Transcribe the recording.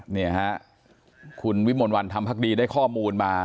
เนี่ยฮะคุณวิมวรวรรดิทำพักดีได้ข้อมูลมา